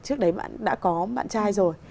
trước đấy bạn đã có bạn trai rồi